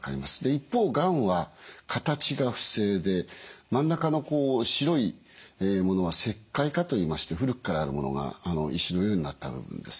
一方がんは形が不整で真ん中の白いものは石灰化といいまして古くからあるものが石のようになった部分です。